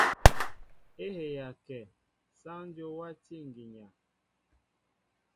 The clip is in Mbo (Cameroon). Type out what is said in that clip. É heya kɛ , sááŋ Dyó wátí ŋgiŋa.